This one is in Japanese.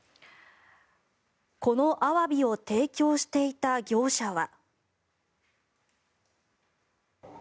このアワビを提供していた業者は。